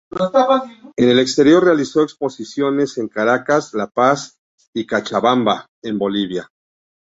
En el exterior realizó exposiciones en Caracas, La Paz y Cochabamba, en Bolivia.